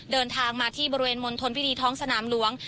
เดินทางมาที่บริเวณมณฑลพิธีท้องสนามหลวง